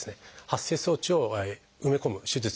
発生装置を埋め込む手術